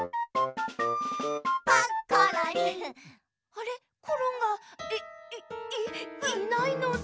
あれコロンがいいいいないのだ！